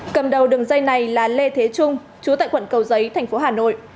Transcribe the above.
cầm đầu đường dây này là lê thế trung chú tại quận cầu giấy thành phố hà nội